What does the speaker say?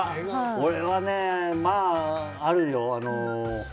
俺はね、まあ、あるよ。